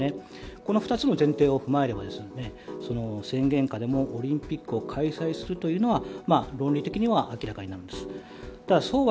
この２つの前提を踏まえれば宣言下でもオリンピックを開催するというのは論理的は難しいです。